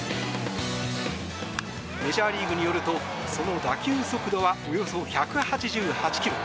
メジャーリーグによるとその打球速度はおよそ１８８ｋｍ。